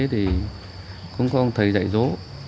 thì cũng có ông thầy dạy dỗ